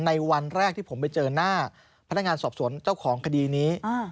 วันแรกที่ผมไปเจอหน้าพนักงานสอบสวนเจ้าของคดีนี้